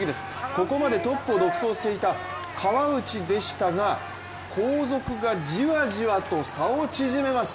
ここまでトップを独走していた川内でしたが、後続がじわじわと差を縮めます。